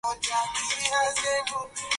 Bintu byake bya kwenda nabyo biko tayari